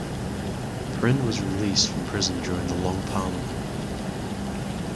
Prynne was released from prison during the Long Parliament.